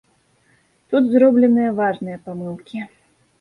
Тут зробленыя важныя памылкі.